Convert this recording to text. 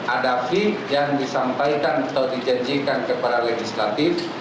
ada fee yang disampaikan atau dijanjikan kepada legislatif